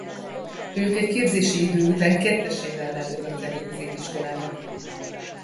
Ők egy képzési idő után kettesével látogatják a középiskolákat.